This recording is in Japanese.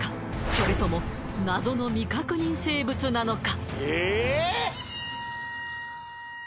それとも謎の未確認生物なのか？